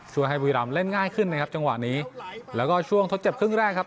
ให้บุรีรำเล่นง่ายขึ้นนะครับจังหวะนี้แล้วก็ช่วงทดเจ็บครึ่งแรกครับ